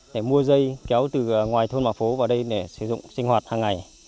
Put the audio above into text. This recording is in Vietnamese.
để mua dây kéo từ ngoài thôn mà phố vào đây để sử dụng sinh hoạt hàng ngày